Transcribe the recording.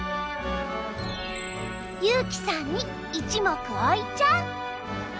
悠生さんに一目置いちゃう！